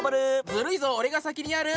ずるいぞ俺が先にやる！